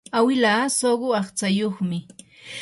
awilaa suqu aqtsayuqmi.